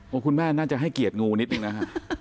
คุณแม่น่าจะให้เกียรติงูนิดนึงนะฮะ